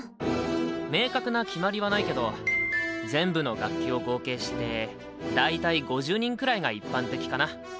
明確な決まりはないけど全部の楽器を合計して大体５０人くらいが一般的かな。